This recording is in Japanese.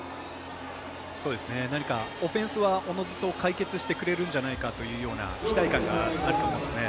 何かオフェンスはおのずと解決してくれるんじゃないかというような期待感があると思いますね。